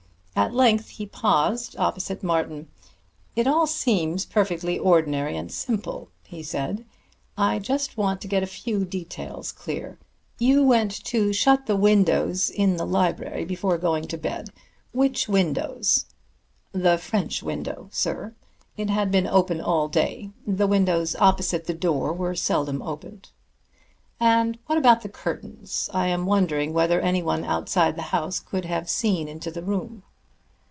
At length he paused opposite Martin. "It all seems perfectly ordinary and simple," he said. "I just want to get a few details clear. You went to shut the windows in the library before going to bed. Which windows?" "The French window, sir. It had been open all day. The windows opposite the door were seldom opened." "And what about the curtains? I am wondering whether anyone outside the house could have seen into the room."